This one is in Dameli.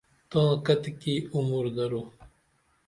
تاں کتیکی عمر درو؟